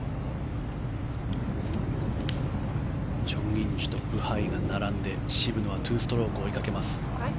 チョン・インジとブハイが並んで渋野は２ストローク追いかけます。